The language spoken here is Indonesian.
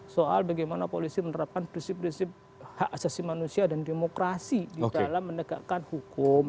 soal bagaimana polisi menerapkan prinsip prinsip hak asasi manusia dan demokrasi di dalam menegakkan hukum